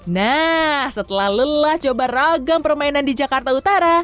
nah setelah lelah coba ragam permainan di jakarta utara